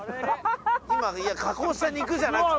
加工した肉じゃなくて。